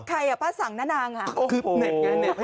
ใครป้าสั่งณนางอ่ะ